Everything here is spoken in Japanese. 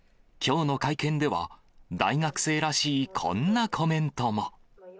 きょうの会見では、大学生らしいこんなコメントも。